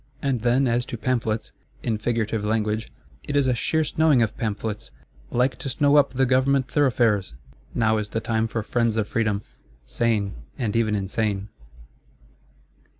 And then as to Pamphlets—in figurative language; "it is a sheer snowing of pamphlets; like to snow up the Government thoroughfares!" Now is the time for Friends of Freedom; sane, and even insane.